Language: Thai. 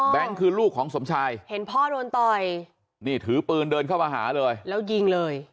คือลูกของสมชายเห็นพ่อโดนต่อยนี่ถือปืนเดินเข้ามาหาเลยแล้วยิงเลย